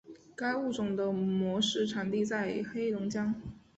该物种的模式产地在黑龙江。